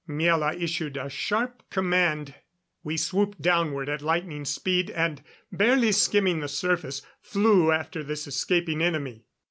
Miela issued a sharp command; we swooped downward at lightning speed and, barely skimming the surface, flew after this escaping enemy.